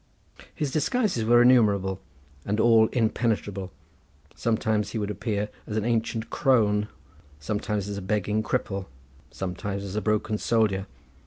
His disguises were innumerable, and all impenetrable; sometimes he would appear as an ancient crone: sometimes as a begging cripple; sometimes as a broken soldier.